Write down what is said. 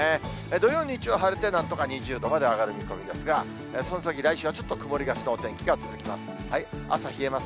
土曜、日曜は晴れて、なんとか２０度まで上がる見込みですが、その先来週はちょっと曇りがちのお天気が続きます。